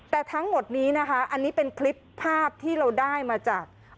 แต่ทั้งหมดนี้นะคะอันนี้เป็นคลิปภาพที่เราได้มาจาก